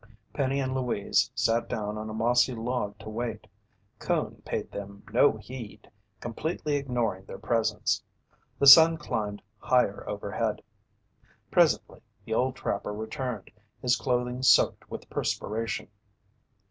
Penny and Louise sat down on a mossy log to wait. Coon paid them no heed, completely ignoring their presence. The sun climbed higher overhead. Presently the old trapper returned, his clothing soaked with perspiration.